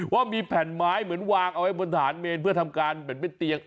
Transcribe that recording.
ว่ามีแผ่นไม้เหมือนวางเอาไว้บนฐานเมนเพื่อทำการเหมือนเป็นเตียง